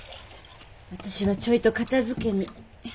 私はちょいと片づけに。